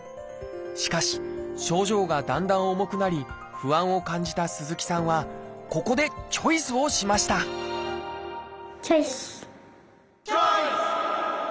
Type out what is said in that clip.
しかし症状がだんだん重くなり不安を感じた鈴木さんはここでチョイスをしましたチョイス！